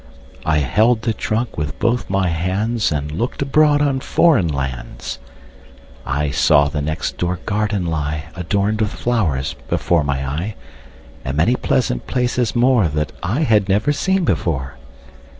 I held the trunk with both my handsAnd looked abroad on foreign lands.I saw the next door garden lie, Adorned with flowers, before my eye, And many pleasant places moreThat I had never seen before.